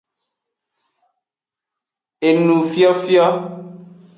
Enufiofio.